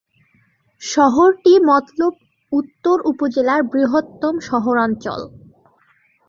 শহরটি মতলব উত্তর উপজেলার বৃহত্তম শহরাঞ্চল।